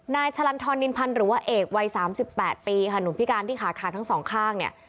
ฉลันทรนินพันธ์หรือว่าเอกวัย๓๘ปีค่ะหนุ่มพิการที่ขาขาทั้งสองข้างเนี่ย